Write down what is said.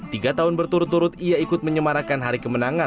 tiga tahun berturut turut ia ikut menyemarakan hari kemenangan